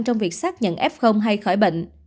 trong việc xác nhận f hay khỏi bệnh